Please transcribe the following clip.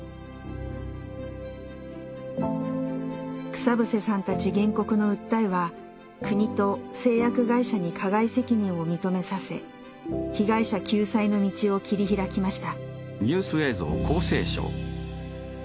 草伏さんたち原告の訴えは国と製薬会社に加害責任を認めさせ被害者救済の道を切り開きました。